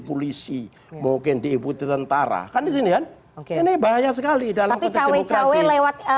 polisi mungkin diikuti tentara kan di sini kan ini bahaya sekali dalam pilih cawe cawe lewat